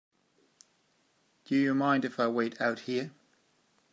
Do you mind if I wait out here?